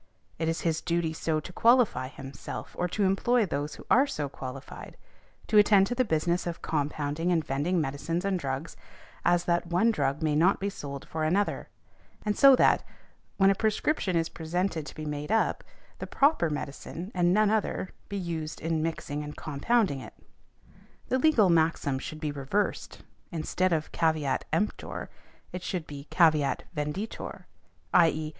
It is his duty so to qualify himself, or to employ those who are so qualified, to attend to the business of compounding and vending medicines and drugs, as that one drug may not be sold for another; and so that, when a prescription is presented to be made up the proper medicine, and none other, be used in mixing and compounding it. The legal maxim should be reversed, instead of caveat emptor it should be caveat venditor, _i.e.